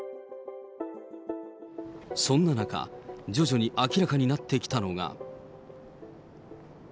そんな中、徐々に明らかになってきたのが。